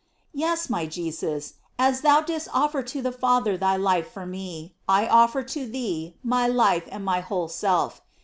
Yes, my J^sus, as thou didst offer to the Father thy life for me, I offer to thee my life and my whole self.